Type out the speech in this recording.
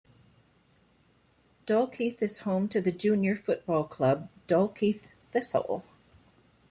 Dalkeith is home to the junior football club Dalkeith Thistle.